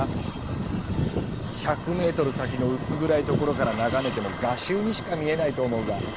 １００メートル先の薄暗い所から眺めても画集にしか見えないと思うが。